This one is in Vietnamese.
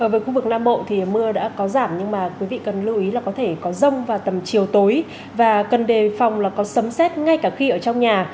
với khu vực nam bộ thì mưa đã có giảm nhưng mà quý vị cần lưu ý là có thể có rông vào tầm chiều tối và cần đề phòng là có sấm xét ngay cả khi ở trong nhà